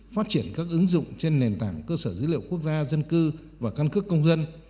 phát triển các ứng dụng trên nền tảng cơ sở dữ liệu quốc gia dân cư và căn cước công dân